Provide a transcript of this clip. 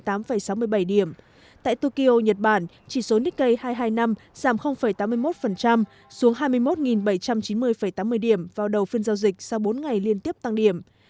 tại tokyo nhật bản chỉ số nikkei hai trăm hai mươi năm giảm tám mươi một xuống hai mươi một bảy trăm chín mươi tám mươi điểm vào đầu phiên giao dịch sau bốn ngày liên tiếp tăng điểm